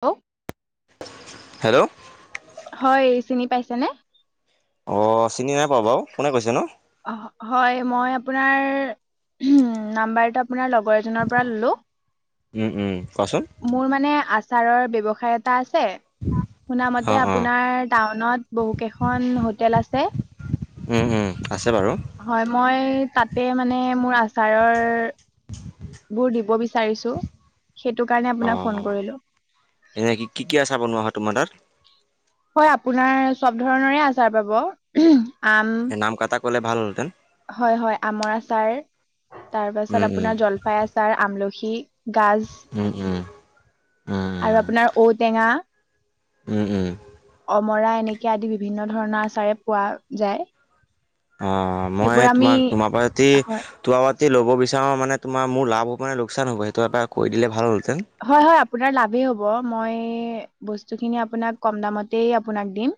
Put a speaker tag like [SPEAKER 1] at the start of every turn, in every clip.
[SPEAKER 1] Hello.
[SPEAKER 2] Hello.
[SPEAKER 1] হয়, চিনি পাইছেনে?
[SPEAKER 2] অ', চিনি নাই পোৱা বাৰু, কোনে কৈছেনো?
[SPEAKER 1] হ-হয়, মই আপোনাৰ নাম্বাৰটো আপোনাৰ লগৰ এজনৰ পৰা ল'লোঁ।
[SPEAKER 2] উম, উম। কোৱাচোন?
[SPEAKER 1] মোৰ মানে আচাৰৰ ব্যৱসায় এটা আছে। শুনা
[SPEAKER 2] অ
[SPEAKER 1] মতে
[SPEAKER 2] অ
[SPEAKER 1] আপোনাৰ টাউনত বহু কেইখন হোটেল আছে।
[SPEAKER 2] উম, উম, আছে বাৰু।
[SPEAKER 1] হয়, মই তাতে মানে মোৰ আচাৰৰ বোৰ দিব বিচাৰিছোঁ, সেইটো কাৰণে আপোনাক ফোন কৰিলোঁ।
[SPEAKER 2] এনেই কি কি আচাৰ বনোৱা হয় তোমাৰ তাত?
[SPEAKER 1] হয়, আপোনাৰ চব ধৰণৰে আচাৰ পাব। আম
[SPEAKER 2] নাম কেইটা ক'লে ভাল হ'লহেঁতেন।
[SPEAKER 1] হয়, হয়। আমৰ আচাৰ,
[SPEAKER 2] উম
[SPEAKER 1] তাৰপাছত
[SPEAKER 2] উম
[SPEAKER 1] আপোনাৰ জলফাই আচাৰ, আমলখি গাজ,
[SPEAKER 2] উম উম উম
[SPEAKER 1] আৰু আপোনাৰ ঔটেঙা।
[SPEAKER 2] উম, উম।
[SPEAKER 1] অমৰা এনেকে আদি বিভিন্ন ধৰণৰ আচাৰে পোৱা যায়।
[SPEAKER 2] অহ, মই
[SPEAKER 1] এইবোৰ আমি
[SPEAKER 2] তোমাক তোমাৰ পৰা যদি
[SPEAKER 1] হয়
[SPEAKER 2] তোমাৰ [unintelligible] ল'ব বিচাৰো মানে তোমাৰ মোৰ লাভ হ'বনে লোকচান হ'ব? সেইটো এবাৰ কৈ দিলে ভাল হ'ল হেঁতেন।
[SPEAKER 1] হয়, হয়। আপোনাৰ লাভেই হ'ব, মই বস্তুখিনি আপোনাক কম দামতেই আপোনাক দিম।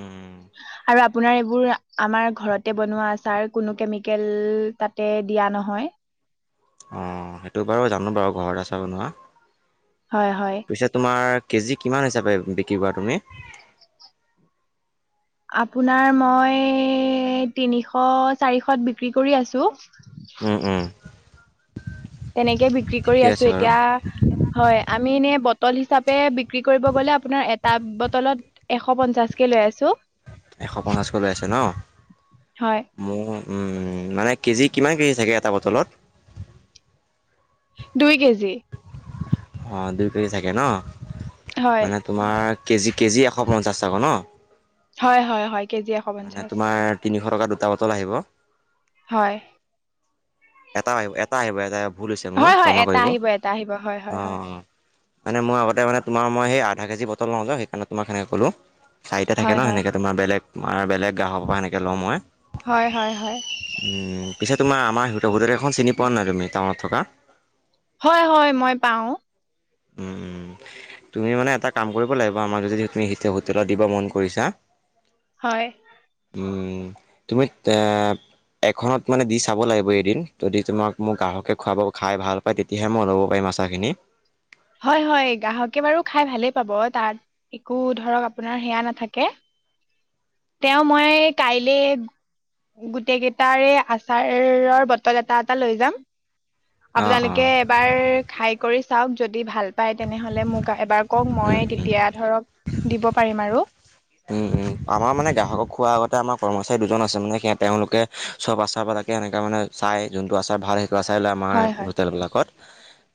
[SPEAKER 2] উম
[SPEAKER 1] [unintelligible] আৰু আপোনাৰ এইবোৰ আমাৰ ঘৰতে বনোৱা আচাৰ, কোনো কেমিকেল তাতে দিয়া নহয়।
[SPEAKER 2] অহ, সেইটো বাৰু জানোঁ বাৰু ঘৰত আচাৰ বনোৱা।
[SPEAKER 1] হয়, হয়।
[SPEAKER 2] পিছে তোমাৰ কেজি কিমান হিচাপে বিক্ৰী কৰা তুমি?
[SPEAKER 1] আপোনাৰ মই তিনিশ চাৰিশত বিক্ৰী কৰি আছোঁ। [unintelligible]
[SPEAKER 2] উম', উম'।
[SPEAKER 1] তেনেকে বিক্ৰী কৰি
[SPEAKER 2] ঠিকে
[SPEAKER 1] আছোঁ।
[SPEAKER 2] আছে বাৰু
[SPEAKER 1] এতিয়া হয়, আমি এনেই বটল হিচাপে বিক্ৰী কৰিব গ'লে, আপোনাৰ এটা বটলত এশ পঞ্চাশকে লৈ আছোঁ।
[SPEAKER 2] এশ পঞ্চাছকৈ লৈ আছা ন?
[SPEAKER 1] হয়
[SPEAKER 2] মোৰ মানে, মানে কেজি কিমান কেজি থাকে এটা বটলত?
[SPEAKER 1] দুই কেজি।
[SPEAKER 2] অহ, দুই কেজি থাকে ন?
[SPEAKER 1] হয়,
[SPEAKER 2] মানে তোমাৰ কেজি-কেজি এশ পঞ্চাছ টকা ন?
[SPEAKER 1] হয়, হয়, হয়। কেজি এশ
[SPEAKER 2] মানে
[SPEAKER 1] পঞ্চাশ।
[SPEAKER 2] তোমাৰ তিনিশ টকাত দুটা বটল আহিব?
[SPEAKER 1] হয়।
[SPEAKER 2] এটা আহিব, এটা আহিব এটা, ভুল হৈছে মোৰ
[SPEAKER 1] হয়, হয়,
[SPEAKER 2] ক্ষমা
[SPEAKER 1] এটা
[SPEAKER 2] কৰিব অহ',
[SPEAKER 1] আহিব, এটা আহিব, হয়, হয়, হয়,
[SPEAKER 2] উম'। মানে মই আগতে মানে তোমাৰ মই সেই আধা কেজি বটল লওঁ ন'। সেই কাৰণে তোমাক সেনেকে ক'লো চাৰিটা থাকে ন? চাৰিটা থাকে
[SPEAKER 1] হয়,
[SPEAKER 2] ন'
[SPEAKER 1] হয়,
[SPEAKER 2] সেনেকা। তোমাৰ বেলেগ, আমাৰ বেলেগ গ্ৰাহকৰ পৰা সেনেকে লওঁ মই।
[SPEAKER 1] হয়, হয়, হয়।
[SPEAKER 2] উম', উম' পিছে তোমাৰ আমাৰ হোটেল এখন চিনি পোৱানে নাই তুমি টাউনত থকা?
[SPEAKER 1] হয়, হয় মই পাওঁ।
[SPEAKER 2] উম
[SPEAKER 1] [inaudible]
[SPEAKER 2] তুমি মানে এটা কাম কৰিব লাগিব আমাক যদি তুমি হোটেলত দিব মন কৰিছা।
[SPEAKER 1] হয়।
[SPEAKER 2] উম। তুমি তে এখনত মানে দি চাব লাগিব এদিন, যদি তোমাক মোক গ্ৰাহকে খুৱাব খায় ভাল পায়, তেতিয়াহে মই ল'ব পাৰিম আচাৰখিনি।
[SPEAKER 1] হয়, হয়। গ্ৰাহকে বাৰু খায় ভালেই পাব তা একো ধৰক আপোনাৰ সেয়া নাথাকে। তেওঁ মই কাইলে গোটেই কেইটাৰে আচাৰৰ বটল এটা এটা লৈ যাম।
[SPEAKER 2] অ',
[SPEAKER 1] আপোনালোকে
[SPEAKER 2] অ'।
[SPEAKER 1] এবাৰ খায় কৰি চাওঁক। যদি ভাল পায় তেনেহ'লে মোক এবাৰ কওঁক,
[SPEAKER 2] উম,
[SPEAKER 1] মই তেতিয়া ধৰক দিব পাৰিম আৰু।
[SPEAKER 2] উম', উম' আমাৰ মানে গ্ৰাহকক খোৱাৰ আগতে আমাৰ কৰ্মচাৰী দুজন আছে মানে সেয়া তেওঁলোকে চব আচাৰবিলাকে এনেকৈ মানে চাই যোনটো আচাৰ ভাল হয়, সেইটো আচাৰে লৈ
[SPEAKER 1] হয়,
[SPEAKER 2] আমাৰ
[SPEAKER 1] হয়,
[SPEAKER 2] হোটেলবিলাকত।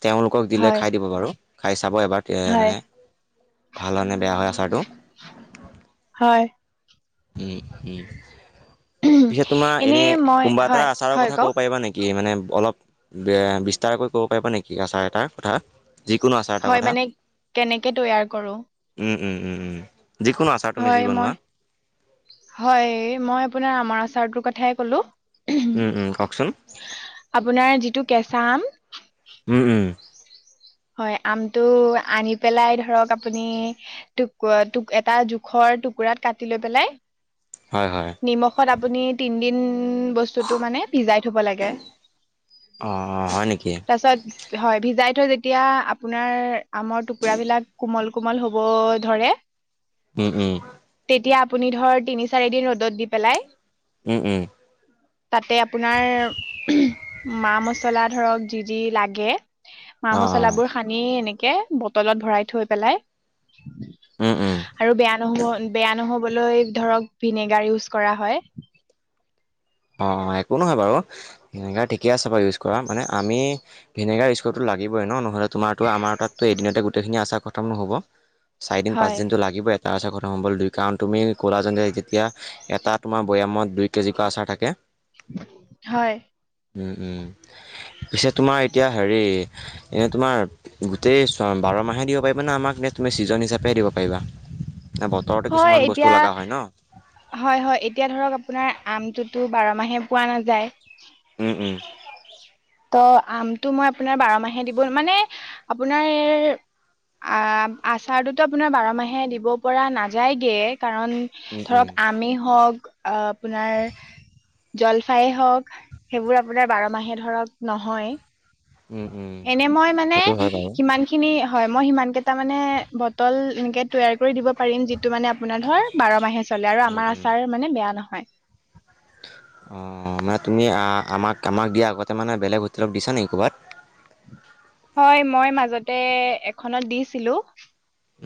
[SPEAKER 2] তেওঁলোকক দিলে
[SPEAKER 1] হয়,
[SPEAKER 2] খায় দিব বাৰু, খায় চাব এবাৰ। তেতিয়া
[SPEAKER 1] হয়,
[SPEAKER 2] মানে, ভাল হয়নে বেয়া হয় আচাৰটো।
[SPEAKER 1] [unintelligible] হয়।
[SPEAKER 2] উম, উম। পিছে তোমাৰ এনে
[SPEAKER 1] এনেই মই
[SPEAKER 2] কোনবা এটা
[SPEAKER 1] হয়
[SPEAKER 2] আচাৰৰ
[SPEAKER 1] হয়
[SPEAKER 2] কথা
[SPEAKER 1] কওক
[SPEAKER 2] ক'ব পাৰিবা নেকি? কি মানে অলপ, এ বিস্তাৰকৈ ক'ব পাৰিব নেকি? আচাৰ এটাৰ কথা যিকোনো আচাৰ এটাৰ
[SPEAKER 1] হয়
[SPEAKER 2] কথা
[SPEAKER 1] মানে, কেনেকে তৈয়াৰ কৰোঁ।
[SPEAKER 2] উম, উম, উম, উম যিকোনো আচাৰ তুমি যি
[SPEAKER 1] হয়
[SPEAKER 2] বনোৱা
[SPEAKER 1] মই- হয় মই আপোনাৰ আমৰ আচাৰটোৰ কথাই ক'লো
[SPEAKER 2] উম, উম কওঁকচোন।
[SPEAKER 1] আপোনাৰ যিটো কেঁচা আম
[SPEAKER 2] উম, উম।
[SPEAKER 1] হয় আমটো আনি পেলাই ধৰক আপুনি টোক টোক এটা জোখৰ টুকুৰাত কাটি লৈ পেলাই
[SPEAKER 2] হয়, হয়।
[SPEAKER 1] নিমখত আপুনি তিনদিন বস বস্তুটো মানে ভিজাই থব লাগে
[SPEAKER 2] অ অ হয় নেকি
[SPEAKER 1] তাৰপিছত হয় ভিজাই থৈ যেতি যেতিয়া আপোনাৰ আমৰ টুকুৰাবিলাক কোমল কোমল হ'ব ধৰে
[SPEAKER 2] উম, উম।
[SPEAKER 1] তেতিয়া আপুনি ধৰ তিনি চাৰি দিন ৰ'দত দি পেলাই
[SPEAKER 2] উম, উম।
[SPEAKER 1] তাতে আপোনাৰ মা মচলা ধৰক যি যি লাগে মা
[SPEAKER 2] অ অ
[SPEAKER 1] মছলাবোৰ সানি এনেকে বটলত ভৰাই থৈ পেলাই
[SPEAKER 2] উম উম
[SPEAKER 1] আৰু বেয়া নহ'ব বেয়া নহ'বলৈ ধৰক ভিনেগাৰ ইউজ কৰা হয়।
[SPEAKER 2] অ', অ' একো নহয় বাৰু সেনেকৈ ঠিকে আছে বাৰু ইউজ কৰা মানে আমি। ভিনেগাৰ ইউজ কৰিবতো লাগিবই ন নহ'লে তোমাৰটো আমাৰ তাততো এদিনতে গোটেইখিনি আচাৰ খতম নহ'ব। চাৰিদিন পাঁচ
[SPEAKER 1] হয়
[SPEAKER 2] দিনটো লাগিব তাৰপাছত [unintelligible] হ'ল কাৰণ তুমি ক'লাজন্ত যেতিয়া এটা তোমাৰ বৈয়ামত দুই কেজিকৈ আচাৰ থাকে [unintelligible]
[SPEAKER 1] হয়।
[SPEAKER 2] উম, উম পিছে তোমাৰ এতিয়া হেৰি এনে তোমাৰ গোটেই ছ বাৰ মাহে পাৰিবা আমাক নে তুমি ছিজন হিচাপেহে দিব পাৰিবা। ন বতৰটো
[SPEAKER 1] হয়
[SPEAKER 2] কিছুমান
[SPEAKER 1] এতিয়া
[SPEAKER 2] বস্তু লগা হয় ন।
[SPEAKER 1] হয় হয় এতিয়া ধৰক আপোনাৰ আমটোতো বাৰ মাহে পোৱা নাযায়।
[SPEAKER 2] উম, উম।
[SPEAKER 1] ত' আমটো মই আপোনাৰ বাৰ মাহে দিব মানে আপোনাৰ আচাৰটোতো আপোনাৰ বাৰ মাহে দিব পৰা নাযায়গে কাৰণ
[SPEAKER 2] উম উম
[SPEAKER 1] ধৰক আমেই হওঁক অ' আপোনাৰ জলফাইয়ে হওঁক সেইবোৰ আপোনাৰ বাৰ মাহে ধৰক নহয়,
[SPEAKER 2] উম উম
[SPEAKER 1] এনে মই মানে
[SPEAKER 2] সেইটো হয় বাৰু
[SPEAKER 1] সিমান খিনি হয় মই সিমান কেইটা মানে বটল এনেকে তৈয়াৰ কৰি দিব পাৰিম যিটো মানে আপোনাৰ ধৰ বাৰ মাহে চলে আৰু
[SPEAKER 2] উম
[SPEAKER 1] আমাৰ
[SPEAKER 2] উম
[SPEAKER 1] আচাৰ মানে বেয়া নহয়।
[SPEAKER 2] অ' মানে তুমি আমাক, আমাক দিয়া আগতে মানে বেলেগ হোটেলত দিছা নে কবাত?
[SPEAKER 1] হয় মই মাজতে এখনত দিছিলো।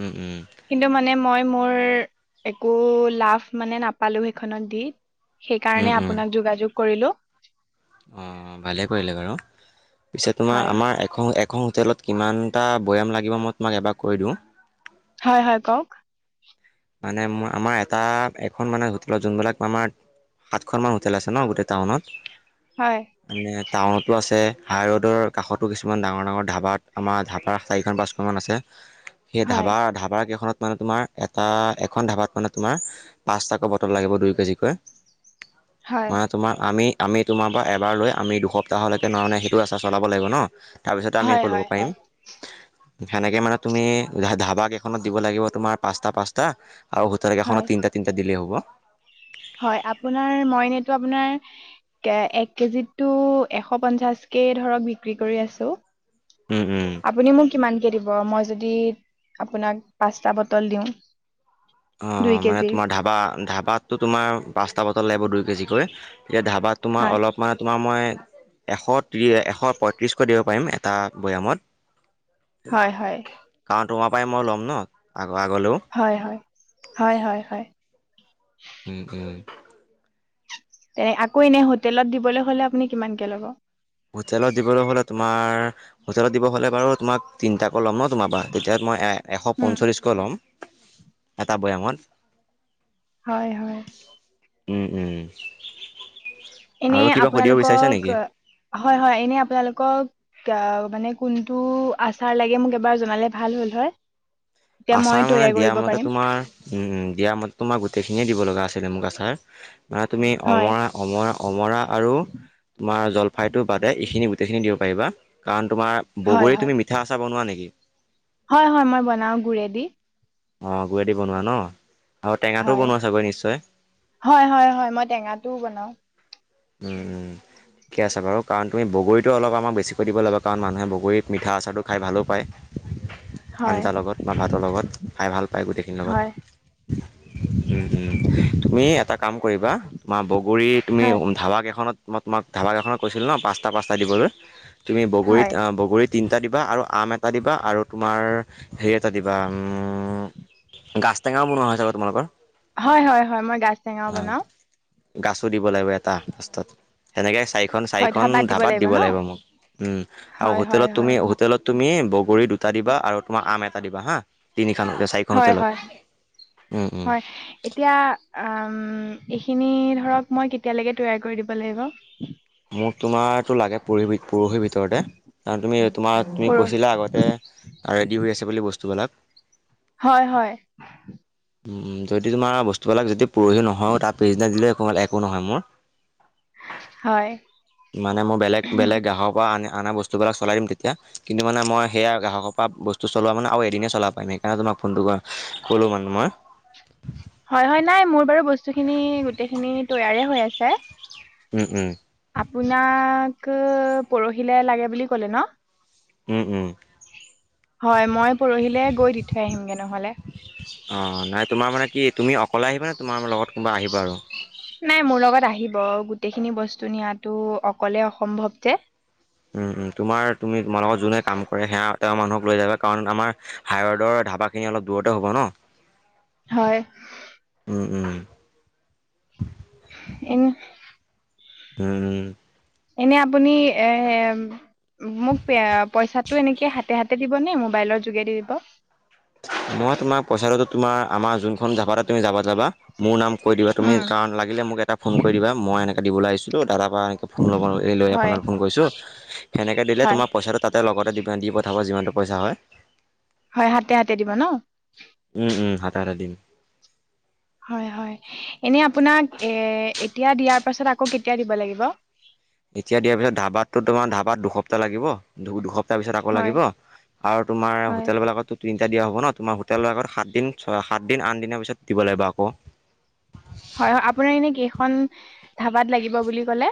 [SPEAKER 2] উম, উম।
[SPEAKER 1] কিন্তু মানে মই মোৰ একো লাভ মানে নাপালো সেইখনত দি।
[SPEAKER 2] উম
[SPEAKER 1] সেইকাৰণে
[SPEAKER 2] উম
[SPEAKER 1] আপোনাক যোগাযোগ কৰিলো।
[SPEAKER 2] অঁ ভালেই কৰিলে বাৰু পিছে তোমাৰ
[SPEAKER 1] হয়
[SPEAKER 2] আমাৰ এখন এখন হোটেলত কিমান টা বৈয়াম লাগিব মই তোমাক এবাৰ কৈ দিওঁ।
[SPEAKER 1] হয়, হয়, কওক
[SPEAKER 2] মানে আমাৰ এটা এখন মানে হোটেলত যোনবিলাক আমাৰ সাতখনমান হোটেল আছে ন গোটেই টাউনত
[SPEAKER 1] হয়,
[SPEAKER 2] মানে টাউনতো আছে হাই ৰোডৰ কাষতো কিছুমান ডাঙৰ ডাঙৰ ধাবাত আমাৰ ধাবাৰ চাৰিখন পাছখন কিমান আছে
[SPEAKER 1] [inaudible]
[SPEAKER 2] সেই ধাবা ধাবাৰ কেইখনত মানে তোমাৰ আহ' এখন ধাবাত মানে তোমাৰ পাঁচটাকৈ বটল লাগিব দুই কেজিকৈ ম
[SPEAKER 1] হয়
[SPEAKER 2] তোমাক আমি- আমি তোমাৰ পৰা এবাৰ লৈ আমি দুসপ্তাহলৈকে মানে সেইটো আচাৰ চলাব লাগিব ন'। তাৰপিছত আমি
[SPEAKER 1] হয়
[SPEAKER 2] আকৌ ল'ব
[SPEAKER 1] হয়
[SPEAKER 2] পাৰিম।
[SPEAKER 1] হয়
[SPEAKER 2] সেনেকে মানে তুমি ধা- ধাবা কেইখনত দিব লাগিব তোমাৰ পাঁচটা পাঁচটা আৰু হোতেল কেইখনত
[SPEAKER 1] হয়
[SPEAKER 2] তিনিটা তিনিটা দিলেই হব।
[SPEAKER 1] হয় আপোনাৰ মইনেতো আপোনাৰ এক কেজিতো এশ পঞ্চাশ কে ধৰক বিক্ৰী কৰি আছোঁ।
[SPEAKER 2] উম, হোম।
[SPEAKER 1] আপুনি মোক কিমানকে দিব মই যদি আপোনাক পাঁচটা বটল দিওঁ? দুই
[SPEAKER 2] অ' মানে
[SPEAKER 1] কেজিৰ
[SPEAKER 2] তোমাৰ ধাবা ধাবাতটো তোমাৰ পাঁচটা বটল লাগিব দুই কেজিকৈ এতিয়া ধাবাত তোমাৰ
[SPEAKER 1] হয়
[SPEAKER 2] অলপ মানে তোমাৰ মই এশ ত্ৰি- এশ পয়ত্ৰিশকৈ দিব পাৰিম এটা বৈয়ামত।
[SPEAKER 1] হয়, হয়।
[SPEAKER 2] কাৰণ তোমাৰ পৰাই মই ল'ম ন' আৰু আগলৈও।
[SPEAKER 1] হয়' হয়, হয়' হয়' হয়'।
[SPEAKER 2] উম', উম'।
[SPEAKER 1] এ আকৌ এনে হোটেলত দিবলৈ হলে আপুনি কিমানকে ল'ব।
[SPEAKER 2] হোটেলত দিবলৈ হ'লে তোমাৰ হোটেলত দিব হ'লে বাৰু তোমাক তিনিটা আকৌ ল'ম ন' তোমাৰ পৰা তেতিয়া মই এ এশ
[SPEAKER 1] উম,
[SPEAKER 2] পঞ্চল্লিছকৈ ল'ম এটা বৈয়ামত।
[SPEAKER 1] হয়', হয়।
[SPEAKER 2] উম', উম।
[SPEAKER 1] এনে
[SPEAKER 2] আৰু কিবা সুধিব বিচাৰিছা
[SPEAKER 1] আপোনালোকক
[SPEAKER 2] নেকি
[SPEAKER 1] হয়' হয় এনে আপোনালোকক অ' মানে কোনটো আচাৰ লাগে মোক এবাৰ জনালে ভাল হল হয়। তেতিয়া মই
[SPEAKER 2] আচাৰ মানে
[SPEAKER 1] তৈয়াৰ
[SPEAKER 2] দিয়া
[SPEAKER 1] কৰিব
[SPEAKER 2] মতে
[SPEAKER 1] পাৰিম
[SPEAKER 2] তোমাৰ উম' উম দিয়া মতে তোমাৰ গোটেইখিনিয়ে দিব লগা আছিলে মোক আছাৰ মানে তুমি
[SPEAKER 1] হয়
[SPEAKER 2] অমৰা অমৰা' অমৰা আৰু তোমাৰ জলফাইটো বাদে এইখিনি গোটেইখিনি দিব পাৰিবা কাৰণ তোমাৰ
[SPEAKER 1] হয়
[SPEAKER 2] বগৰী
[SPEAKER 1] হয়
[SPEAKER 2] তুমি মিঠা আছাৰ বনোৱা নেকি?
[SPEAKER 1] হয়', হয় মই বনাও গুৰেদি।
[SPEAKER 2] অ' গুুৰেদি বনোৱা ন', আৰু টেঙাটো
[SPEAKER 1] হয়
[SPEAKER 2] বনোৱা চাগৈ নিশ্চয়?
[SPEAKER 1] হয়', হয়' হয় মই টেঙাটোও বনাওঁ।
[SPEAKER 2] উম', উম। ঠিকে আছে বাৰু কাৰণ তুমি বগৰীটো অলপ আমাক বেছিকৈ দিব লগা কাৰণ মানুহে বগৰী মিঠা আচাৰটো খাই ভালো পায়।
[SPEAKER 1] হয়
[SPEAKER 2] আঞ্জা লগত বা ভাতৰ লগত খাই ভাল পায় গোটেইখিনিৰ লগত।
[SPEAKER 1] হয়
[SPEAKER 2] উম হম তুমি এটা কাম কৰিবা তোমাৰ বগৰী তুমি
[SPEAKER 1] হয়
[SPEAKER 2] ধাবাকেইখনত মই তোমাক ধাবাকেইখনত কৈছিলো ন' পাঁচটা পাঁচটা দিবলৈ তুমি বগৰীত
[SPEAKER 1] হয়
[SPEAKER 2] অ' বগৰীত তিনিটা দিবা আৰু আম এটা দিবা আৰু তোমাৰ হেৰি এটা দিবা উমম গাজ টেঙাও বনোৱা চাগে তুমালোকৰ?
[SPEAKER 1] হয়-হয়-হয় মই গাজ টেঙাও বনাওঁ।
[SPEAKER 2] গাছো দিব লাগিব এটা লাষ্টোত, সেনেকে চাৰিখন চাৰিখন ধাবাত দিব লাগিব মোক উম,
[SPEAKER 1] হয় হয়
[SPEAKER 2] হোতেলত তুমি
[SPEAKER 1] হয়
[SPEAKER 2] হোতেলত তুমি বগৰী দুটা দিবা আৰু তোমাৰ আম এটা দিবা হা, তিনি খন
[SPEAKER 1] হয়-হয়-হয় এতি এতিয়া আ এইখিনি ধৰক মই কেতিয়ালৈকে তৈয়াৰ কৰি দিব লাগিব?
[SPEAKER 2] মোক তোমাৰটো লাগে পৰহি পৰহিৰ ভিতৰতে। কাৰণ তুমি তোমাৰ তুমি
[SPEAKER 1] পৰ
[SPEAKER 2] কৈছিলা আগতে ৰেডি হৈ আছে বুলি বস্তুবিলাক।
[SPEAKER 1] হয় হয়।
[SPEAKER 2] যদি তোমাৰ বস্তুবিলাক যদি পৰহি নহয়ও তাৰ পিছদিনা দিলেও একোমান একো নহয় মোৰ।
[SPEAKER 1] হয়।
[SPEAKER 2] মানে মই বেলেগ বেলেগ গাহৰ পৰা আ অনা বস্তু বিলাক চলাই দিম তেতিয়া কিন্তু মানে মই সেয়া গাহকৰ পৰা বস্তু চলোৱা মান আৰু এদিনে চলাব পাৰিম [unintelligible] ফোনটো কৰা ক'লোঁ মানে মই।
[SPEAKER 1] হয় হয় নাই মোৰ বাৰু বস্তুখিনি গোটেইখিনি তৈয়াৰ হৈ আছে।
[SPEAKER 2] উম উম।
[SPEAKER 1] আপোনাক পৰহিলৈ লাগে বুলি ক'লে ন?
[SPEAKER 2] উম উম।
[SPEAKER 1] হয় মই পৰহিলে গৈ দি থৈ আহিমগৈ নহ'লে।
[SPEAKER 2] অ নাই তোমাৰ মানে কি তুমি অকলে আহিবাানে তোমাৰ লগত কোনোবা আহিবা আৰু?
[SPEAKER 1] নাই মোৰ লগত আহিব গোটেইখিনি বস্তু নিয়াতো অকলে অসম্ভৱ যে।
[SPEAKER 2] উ উ তোমাৰ তুমি লগত যোনে কাম কৰে সেয়া তেওঁ মানুহক যাবা কাৰণ আমাৰ হাইৰইডৰ ধাবাখিনি অলপ দূৰতে হ'ব ন।
[SPEAKER 1] হয়।
[SPEAKER 2] উম উম।
[SPEAKER 1] এন
[SPEAKER 2] [inaudible]
[SPEAKER 1] এনে আপুনি এ মোক পে পইচাটো এনেকে হাতে হাতে দিব নে মোবাইলৰ যোগেদি দিব?
[SPEAKER 2] মই তোমাক পইচাটো তোমাৰ আমাৰ যোনখন ধাবা তুমি জাবাত যাবা মোৰ নাম কৈ দিবা তুমি
[SPEAKER 1] উম
[SPEAKER 2] কাৰণ লাগিলে মোক এটা ফোন কৰি দিবা, মই এনেকে দিবলৈ আহিছো দাদাৰ পৰা এনেকৈ ফোন ল'ব লৈ
[SPEAKER 1] হয়
[SPEAKER 2] আপোনালৈ ফোন কৰিছোঁ, সেনেকে দিলে
[SPEAKER 1] হয়
[SPEAKER 2] তোমাৰ পইচাটো তাতে লগতে দিপ দি পঠাব যিমানটো পইচা হয়।
[SPEAKER 1] হয় হাতে হাতে দিব ন?
[SPEAKER 2] উম উম হাতে হাতে দিম।
[SPEAKER 1] হয় হয়। এনেই আপোনাক এ এতিয়া দিয়াৰ পাছত আকৌ কেতিয়া দিব লাগিব?
[SPEAKER 2] এতিয়া দিয়াৰ পিছত ধাবাতো তোমাৰ ধাবাত দুসপ্তাহ লাগিব দুসপ্তাহ পিছত আকৌ
[SPEAKER 1] হয়
[SPEAKER 2] লাগিব আৰু তোমাৰ
[SPEAKER 1] হয়
[SPEAKER 2] হোটেলবলাকতো তিনিটা দিয়া হ'ব ন, তোমাৰ হোটেলৰ আগত সাতদিন ছয় সাতদিন আন দিনৰ পিছত দিব লাগিব আকৌ।
[SPEAKER 1] হয় হয় আপোনাৰ এনে কেইখন ধাবাত লাগিব বুলি ক'লে?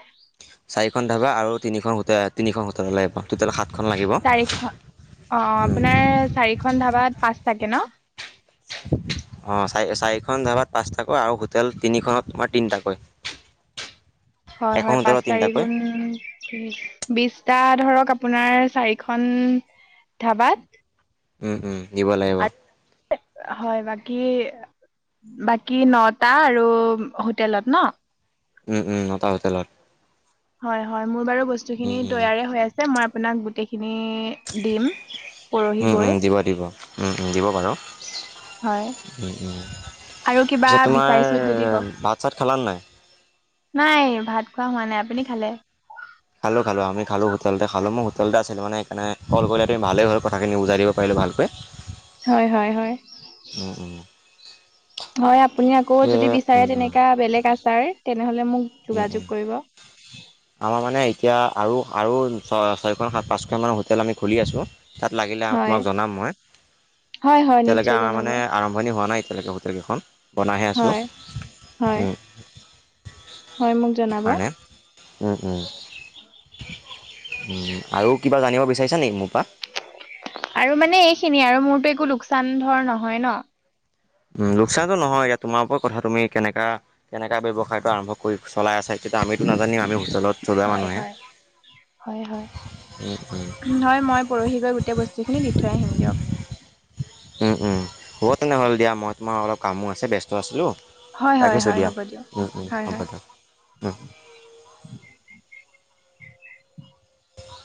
[SPEAKER 2] চাৰিখন ধাবা আৰু তিনিখন হোটেল তিনিখন হোটেল লাগে, টটেল সাতখন লাগিব।
[SPEAKER 1] চাৰিখন অ আপোনাৰ চাৰিখন ধাবাত পাঁচ তাকে ন?
[SPEAKER 2] অ', চাৰি চাৰিখন ধাবাত পাঁচটাকৈ আৰু হোটেল তিনিখনত তোমাৰ তিনিটাকৈ।
[SPEAKER 1] হয়,
[SPEAKER 2] এখন
[SPEAKER 1] হয়, পাঁচ
[SPEAKER 2] হোটেলত
[SPEAKER 1] চাৰি
[SPEAKER 2] তিনিটাকৈ
[SPEAKER 1] গুণ বিষ্টা ধৰক আপোনাৰ চাৰিখন ধাবাত।
[SPEAKER 2] উম, উম, দিব লাগিব।
[SPEAKER 1] আৰু হয়, বাকী বাকী নটা আৰু হোটেলত ন'?
[SPEAKER 2] উম, উম, ন'টা হোতেলত।
[SPEAKER 1] হয়, হয়, মোৰ বাৰু
[SPEAKER 2] উম
[SPEAKER 1] বস্তুখিনি
[SPEAKER 2] উম
[SPEAKER 1] তৈয়াৰে হৈ আছে মই আপোনাক গোটেইখিনি দিম পৰহি
[SPEAKER 2] উম,
[SPEAKER 1] গৈ
[SPEAKER 2] উম, দিব দিব উম, উম, দিব বাৰু।
[SPEAKER 1] হয়
[SPEAKER 2] উম, উম,
[SPEAKER 1] আৰু কিবা
[SPEAKER 2] পিছে তোমাৰ
[SPEAKER 1] বিচাৰিছিল যদি কওক
[SPEAKER 2] ভাত-চাত খালা নে নাই?
[SPEAKER 1] নাই ভাত খোৱা হোৱা নাই, আপুনি খালে?
[SPEAKER 2] খালো খালো আমি খালো হোটেলতে খালো মই হোটেলতে আছিল মানে সেইকাৰণে ক'ল কৰিলে তুমি ভালেই হ'ল কথা খিনিবুজাই দিব পাৰিলো ভালকৈ।
[SPEAKER 1] হয়, হয়, হয়।
[SPEAKER 2] হম, হম।
[SPEAKER 1] হয়, আপুনি আকৌ যদি বিচাৰে তেনেকা বেলেগ আচাৰ তেনেহ'লে মোক
[SPEAKER 2] উম উম
[SPEAKER 1] যোগাযোগ কৰিব। [inaudible]
[SPEAKER 2] আমাৰ মানে এতিয়া আৰু আৰু ছয় ছয়খন সাত পাঁচখন মানৰ হোটেল আমি খুলি আছোঁ। তাত লাগিলে
[SPEAKER 1] হয়
[SPEAKER 2] তোমাক জনাম মই,
[SPEAKER 1] হয় হয়
[SPEAKER 2] এতিয়ালৈকে
[SPEAKER 1] নিশ্চয়
[SPEAKER 2] আমাৰ
[SPEAKER 1] জনাব
[SPEAKER 2] মানে আৰম্ভণি হোৱা নাই এতিয়ালৈকে হোটেল কেইখন বনাইাহে আছোঁ,
[SPEAKER 1] হয় হয়
[SPEAKER 2] উম।
[SPEAKER 1] হয়, মোক জনাব।
[SPEAKER 2] সেইকাৰণে উম, উম, আৰু কিবা জানিব বিচাৰিছা নেকি মোৰ পৰা?
[SPEAKER 1] আৰু মানে এইখিনিয়ে আৰু মোৰতো একো লোকচান ধৰ নহয় ন'?
[SPEAKER 2] উম, লোকচানটো নহয় এতিয়া তোমাৰ ওপৰত কথা তুমি কেনেকা কেনেকা ব্যয়সায়টো আৰম্ভ কৰি চলাই আছা এতিয়া আমিতো নাজানিম আমি হোটেলত চলোৱা
[SPEAKER 1] হয়
[SPEAKER 2] মানুহে।
[SPEAKER 1] হয় হয় হয়।
[SPEAKER 2] উম, উম।
[SPEAKER 1] হয়, মই পৰহি গৈ গোটেই বস্তুখিনি দি থৈ আহিম দিয়ক।
[SPEAKER 2] উম, উম, হ'ব তেনেহ'লে দিয়া মই তোমাৰ অলপ কামো আছে ব্যস্ত আছিলোঁ।।
[SPEAKER 1] হয় হয়
[SPEAKER 2] ৰাখিছোঁ
[SPEAKER 1] হয়
[SPEAKER 2] দিয়া
[SPEAKER 1] হ'ব দিয়ক।
[SPEAKER 2] উম, উম,
[SPEAKER 1] হয়
[SPEAKER 2] হ'ব
[SPEAKER 1] হয়।
[SPEAKER 2] দিয়ক উম [inaudible]